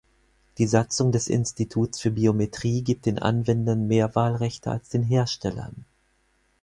Die Satzung des Instituts für Biometrie gibt den Anwendern mehr Wahlrechte als den Herstellern.